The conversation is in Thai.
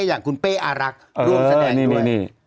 อย่างคุณเป้อารักษ์เออรู้สันแดดด้วยนี่นี่นี่